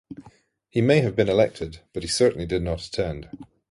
He may have been elected but he certainly did not attend.